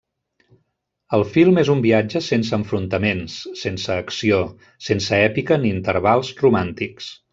El film és un viatge sense enfrontaments, sense acció, sense èpica ni intervals romàntics.